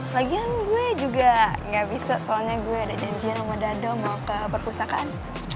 lagian gue juga gak bisa soalnya gue ada janjian sama dada mau ke perpustakaan